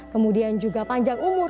kemudian juga panjang umur